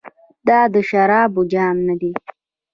دا د شرابو جام ندی.